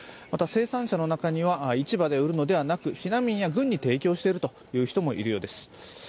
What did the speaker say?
また生産者の中には市場で売るのではなく避難民や軍に提供している人もいるようです。